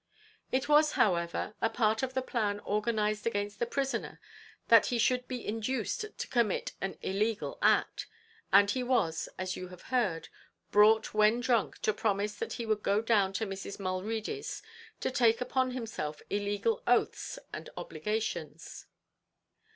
"It was, however, a part of the plan organised against the prisoner that he should be induced to commit an illegal act, and he was, as you have heard, brought when drunk to promise that he would go down to Mrs. Mulready's, to take upon himself illegal oaths and obligations.